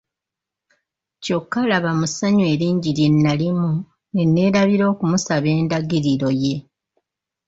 Kyokka laba mu ssanyu eringi lye nalimu ne neerabira okumusaba endagiriro ye.